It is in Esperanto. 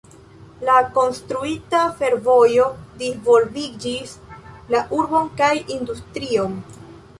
La konstruita fervojo disvolviĝis la urbon kaj industrion.